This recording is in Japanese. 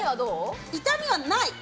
痛みはない。